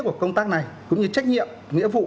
của công tác này cũng như trách nhiệm nghĩa vụ